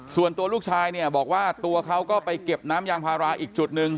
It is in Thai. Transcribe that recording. ส่วนตัวลูกชายเนี่ยบอกว่าตัวเขาก็ไปเก็บน้ำยางพาราอีกจุดหนึ่ง